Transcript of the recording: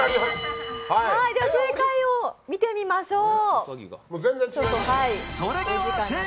正解を見てみましょう。